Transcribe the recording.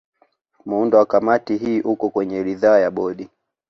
Muundo wa Kamati hii uko kwenye ridhaa ya Bodi